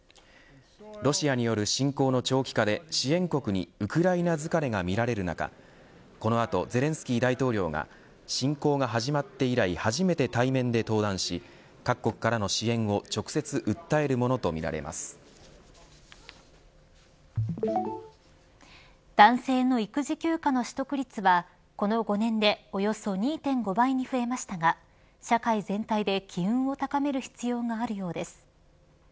ロシアによる侵攻の長期化で支援国にウクライナ疲れが見られる中この後、ゼレンスキー大統領が侵攻が始まって以来初めて対面で登壇し各国からの支援を男性の育児休暇の取得率はこの５年でおよそ２．５倍に増えましたが社会全体で気運を高める必要があるようです。